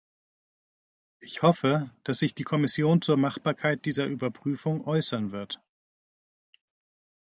Ich hoffe, dass sich die Kommission zur Machbarkeit dieser Überprüfung äußern wird.